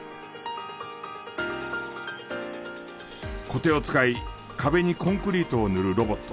コテを使い壁にコンクリートを塗るロボット。